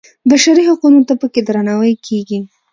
بشري حقونو ته په کې درناوی کېږي.